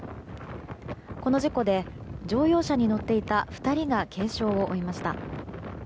この事故で乗用車に乗っていた２人が軽傷を負いました。